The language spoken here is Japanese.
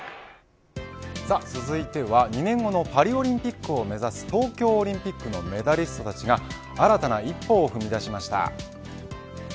続いては２年後のパリオリンピックを目指す東京オリンピックのメダリストたちが新たな一歩を踏み出しました。